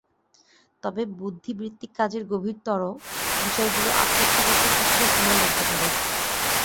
তবে বুদ্ধিবৃত্তিক কাজের গভীরতর বিষয়গুলো আত্মস্থ করতে কিছুটা সময় লাগবে তাদের।